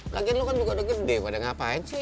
lagian lo kan juga udah gede pada ngapain sih